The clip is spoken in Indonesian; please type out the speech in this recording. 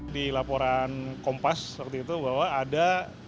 di laporan kompas waktu itu bahwa ada